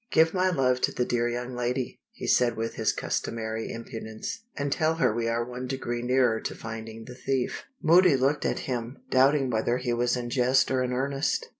"Give my love to the dear young lady," he said with his customary impudence; "and tell her we are one degree nearer to finding the thief." Moody looked at him, doubting whether he was in jest or in earnest.